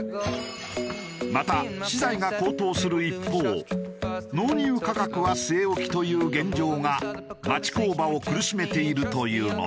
また資材が高騰する一方納入価格は据え置きという現状が町工場を苦しめているというのだ。